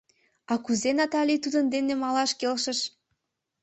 А кузе Натали тудын дене малаш келшыш?